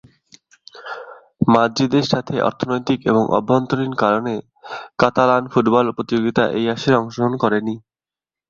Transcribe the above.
মাদ্রিদের সাথে অর্থনৈতিক এবং অভ্যন্তরীণ কারণে কাতালান ফুটবল প্রতিযোগিতা এই আসরে অংশগ্রহণ করেনি।